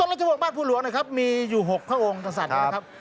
ต้นราชวงศ์บ้านภูรวงศ์นะครับมีอยู่๖พระองค์ทางสัตว์นะครับ